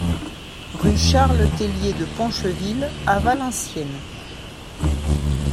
Rue Ch Theillier de Ponchevill à Valenciennes